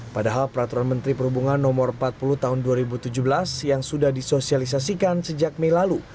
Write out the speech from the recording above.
padahal peraturan menteri perhubungan no empat puluh tahun dua ribu tujuh belas yang sudah disosialisasikan sejak mei lalu